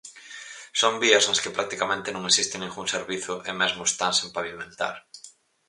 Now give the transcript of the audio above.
Son vías nas que practicamente non existe ningún servizo e mesmo están sen pavimentar.